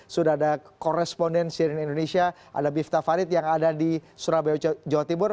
sudah ada koresponden siren indonesia ada bifta farid yang ada di surabaya jawa timur